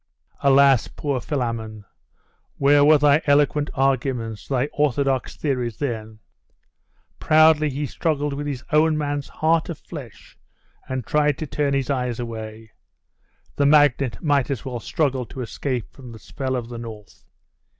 Alas, poor Philammon! where were thy eloquent arguments, thy orthodox theories then? Proudly he struggled with his own man's heart of flesh, and tried to turn his eyes away; the magnet might as well struggle to escape from the spell of the north.